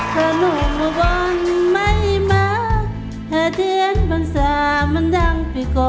ก็ร้องได้ให้ล้าง